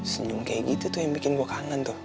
senyum kayak gitu tuh yang bikin gue kangen tuh